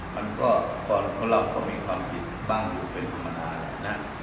มันก็คนเราก็มีความคิดตั้งอยู่เป็นธรรมดานะ